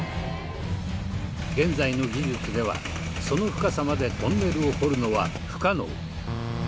現在の技術ではその深さまでトンネルを掘るのは不可能。